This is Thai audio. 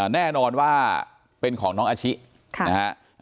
แน่นอนว่าเป็นของน้องอาชินะฮะ